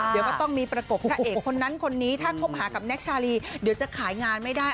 เดี๋ยวก็ต้องมีประกบพระเอกคนนั้นคนนี้ถ้าคบหากับแน็กชาลีเดี๋ยวจะขายงานไม่ได้